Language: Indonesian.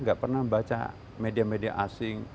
gak pernah baca media media asing